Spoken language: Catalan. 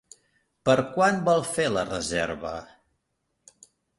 Per quan vol fer la reserva?